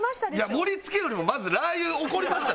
盛り付けよりもまずラー油怒りました？